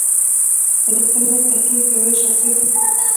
خو د خپل وخت تر ټولو پياوړی شخصيت و.